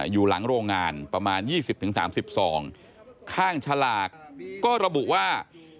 อยู่หลังโรงงานประมาณยี่สิบถึงสามสิบสองข้างฉลากก็ระบุว่า